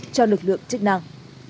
cho lực lượng chức năng